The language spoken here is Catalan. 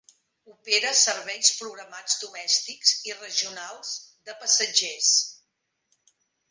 Opera serveis programats domèstics i regionals de passatgers.